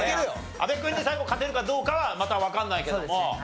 阿部君に最後勝てるかどうかはまたわかんないけれども。